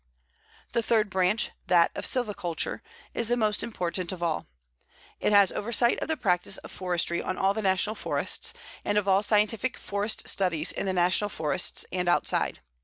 The third branch, that of Silviculture, is the most important of all. It has oversight of the practice of forestry on all the National Forests, and of all scientific forest studies in the National Forests and outside.